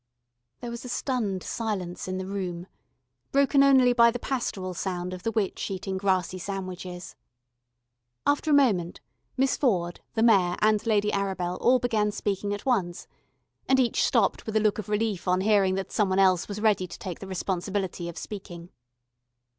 There was a stunned silence in the room, broken only by the pastoral sound of the witch eating grassy sandwiches. After a moment Miss Ford, the Mayor, and Lady Arabel all began speaking at once, and each stopped with a look of relief on hearing that some one else was ready to take the responsibility of speaking.